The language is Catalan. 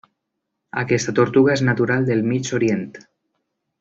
Aquesta tortuga és natural del Mig Orient.